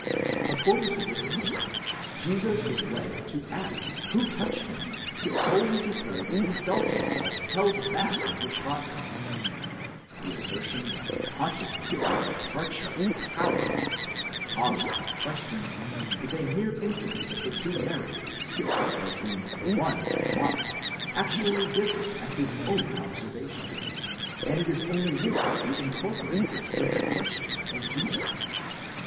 According to this system, Jesus was led to ask who touched him, solely because he felt himself held back in his progress; the assertion that consciousness of a departure of power, δύναμις ἐξελθοῦσα, was the cause of his question, is a mere inference of the two narrators, of whom the one, Mark, actually gives it as his own observation; and it is only Luke who incorporates it with the question of Jesus.